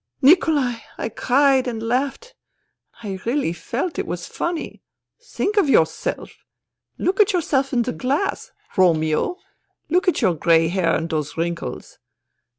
"' Nikolai !' I cried, and laughed. I really felt it was funny. ' Think of yourself ! Look at your self in the glass. Romeo ! Look at your grey hairs and those wrinkles